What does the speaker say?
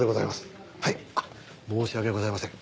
あっ申し訳ございません。